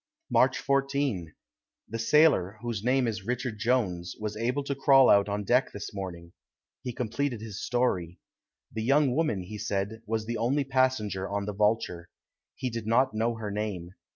March 14. The sailor, whose name is Richard Jones, was able to crawl out on deck this morning. He completed his story. The young woman, he said, was the only passenger on the Vulture. He did not know her name.